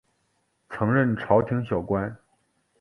曾任朝廷小官。